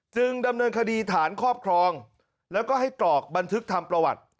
ดำเนินคดีฐานครอบครองแล้วก็ให้กรอกบันทึกทำประวัติ